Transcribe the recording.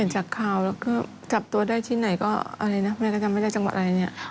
จับตัวได้ที่ไหนก็อะไรนะแม่ก็จะไม่ได้จังหวัดไรเนี่ย